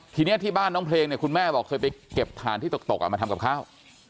ทีนี้ที่บ้านน้องเพลงเนี่ยคุณแม่บอกเคยไปเก็บถ่านที่ตกมาทำกับข้าว